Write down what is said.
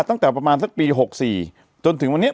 ตั้งแต่ประมาณสักปี๖๔จนถึงวันนี้